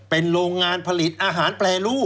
เป็นโรงงานผลิตอาหารแปรรูป